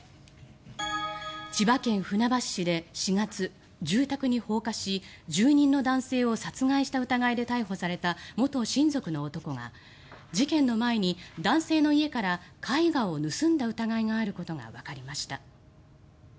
千葉県船橋市で４月住宅に放火し住人の男性を殺害した疑いで逮捕された元親族の男が事件の前に男性の家から絵画を盗んだ疑いがあることがわかりました。